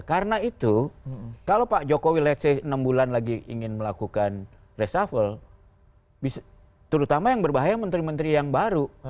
karena itu kalau pak jokowi let's say enam bulan lagi ingin melakukan reshuffle terutama yang berbahaya menteri menteri yang baru